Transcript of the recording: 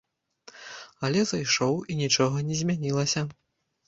Але зайшоў, і нічога не змянілася!